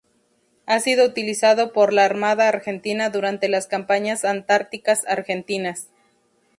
Ha sido utilizado por la Armada Argentina durante las campañas antárticas argentinas.